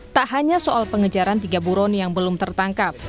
tak hanya soal pengejaran tiga buron yang belum tertangkap